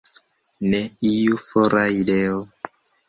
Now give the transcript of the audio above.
Ne iu fora ideo.